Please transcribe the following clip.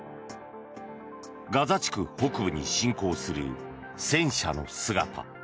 ガザ地区北部に侵攻する戦車の姿。